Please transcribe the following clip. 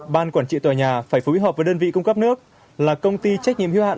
ban quản trị tòa nhà phải phối hợp với đơn vị cung cấp nước là công ty trách nhiệm hưu hạn